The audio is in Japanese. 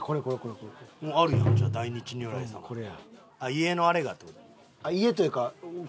家のあれがって事？